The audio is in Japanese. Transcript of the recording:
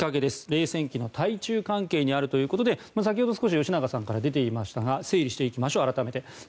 冷戦期の対中関係にあるということで先ほど少し吉永さんから出ていましたが改めて整理します。